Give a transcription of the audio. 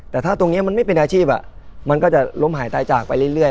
แต่ถ้าตรงนี้มันไม่เป็นอาชีพมันก็จะล้มหายตายจากไปเรื่อย